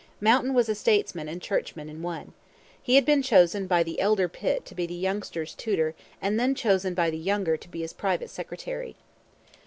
Mountain was statesman and churchman in one. He had been chosen by the elder Pitt to be the younger's tutor and then chosen by the younger to be his private secretary.